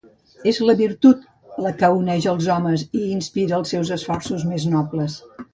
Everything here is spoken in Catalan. És la virtut la que uneix els homes i inspira els seus esforços més nobles.